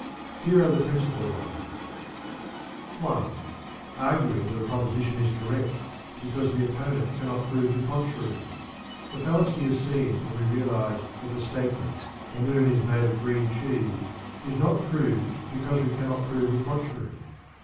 Here are the principal ones: (1) Arguing that a proposition is correct because the opponent cannot prove the contrary. The fallacy is seen when we realize that the statement, "The moon is made of green cheese," is not proved because we cannot prove the contrary.